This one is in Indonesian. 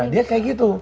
dia kayak gitu